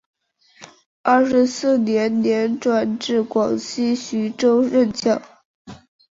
二十四年年转至广西浔州任教。